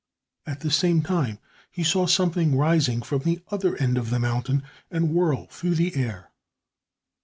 At the same time he saw something rising from the other end of the mountain and whirl through the air.